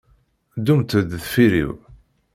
Ddumt-d deffir-iw.